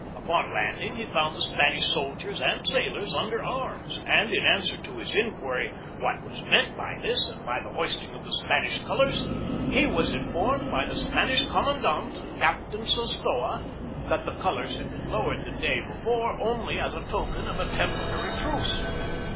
Upon landing he found the Spanish soldiers and sailors under arms, and in answer to his inquiry, what was meant by this and by the hoisting of the Spanish colors, he was informed by the Spanish commandant, Captain Sostoa, that the colors had been lowered the day before only as token of a temporary truce.